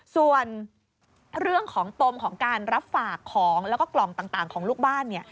ส่วนเรื่องของปมของการรับฝากของแล้วก็กล่องต่างของลูกบ้าน